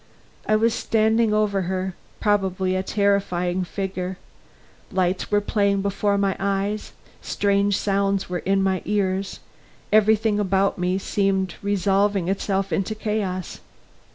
I was standing over her, probably a terrifying figure. Lights were playing before my eyes, strange sounds were in my ears, everything about me seemed resolving itself into chaos.